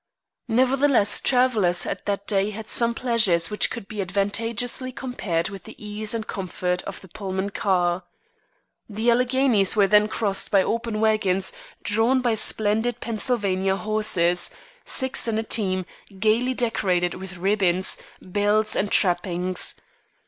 Nevertheless, travelers at that day had some pleasures which could be advantageously compared with the ease and comfort of the Pullman car. The Alleghanies were then crossed by open wagons drawn by splendid Pennsylvania horses, six in a team, gayly decorated with ribbons, bells, and trappings.